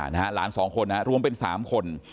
หลาน๒คนนะรวมเป็น๓คน